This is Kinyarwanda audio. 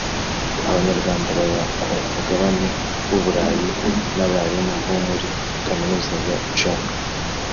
Abanyarwanda baba ku mugabane w u burayi n abarimu bo muri kaminuza ya john